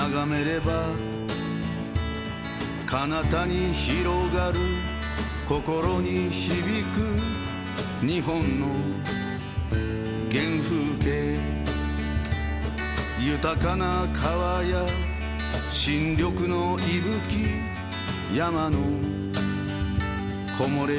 「かなたに広がる心に響く」「日本の原風景」「豊かな川や新緑の息吹」「山の木もれ日は」